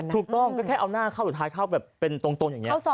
ถูกต้องก็แค่เอาหน้าเข้าสุดท้ายเข้าแบบเป็นตรงอย่างนี้